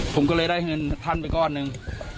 ผมก็เลยได้เงินท่านไปก้อนหนึ่ง